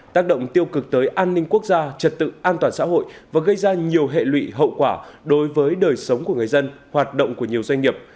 tác động tiêu cực tới an ninh quốc gia trật tự an toàn xã hội và gây ra nhiều hệ lụy hậu quả đối với đời sống của người dân hoạt động của nhiều doanh nghiệp